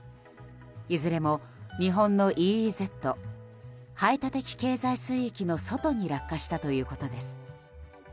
いずれも日本のＥＥＺ・排他的経済水域の外に落下したということです。